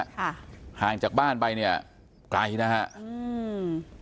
ห่างจากบ้านไปเนี้ยไกลนะฮะอืม